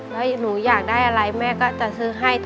แล้วหนูอยากได้อะไรแม่ก็จะซื้อให้